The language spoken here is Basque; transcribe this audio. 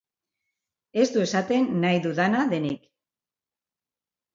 Ez du esaten nahi dudana denik.